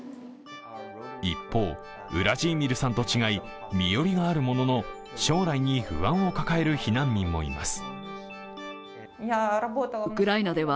一方、ウラジーミルさんと違い身寄りがあるものの、将来に不安を抱える避難民もいます。